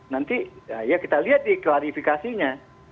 nanti ya kita lihat di klarifikasinya